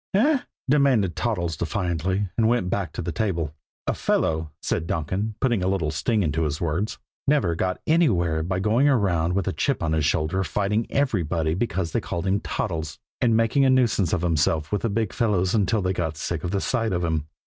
"Eh?" demanded Toddles defiantly; and went back to the table. "A fellow," said Donkin, putting a little sting into his words, "never got anywhere by going around with a chip on his shoulder fighting everybody because they called him Toddles, and making a nuisance of himself with the Big Fellows until they got sick of the sight of him."